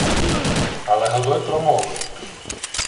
Але Годой промовив: